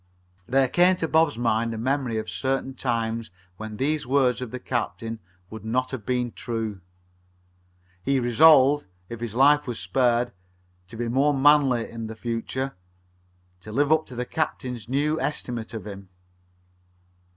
There came to Bob's mind a memory of certain times when these words of the captain would not have been true. He resolved, if his life was spared, to be a more manly boy in the future to live up to the captain's new estimate of him.